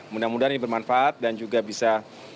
mudah mudahan ini bermanfaat dan juga bisa